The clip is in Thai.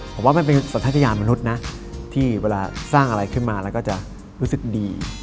ผมว่ามันเป็นสัทยามนุษย์นะที่เวลาสร้างอะไรขึ้นมาแล้วก็จะรู้สึกดี